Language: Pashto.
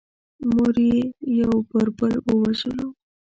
موږ یې یو پر بل ووژلو.